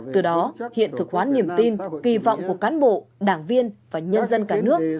từ đó hiện thực hóa niềm tin kỳ vọng của cán bộ đảng viên và nhân dân cả nước